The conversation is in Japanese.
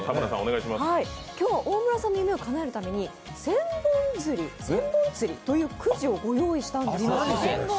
今日は大村さんの夢をかなえるため、千本つりというものをご用意したんです。